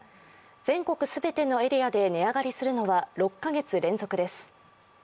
全国全てのエリアで値上がりするのは６カ月連続です。